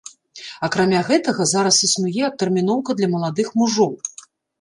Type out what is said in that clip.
Акрамя гэтага, зараз існуе адтэрміноўка для маладых мужоў.